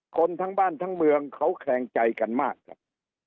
คนทั้งบ้านทั้งเมืองเขาแขลงใจกันมากครับ